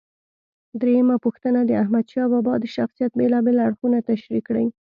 درېمه پوښتنه: د احمدشاه بابا د شخصیت بېلابېل اړخونه تشریح کړئ.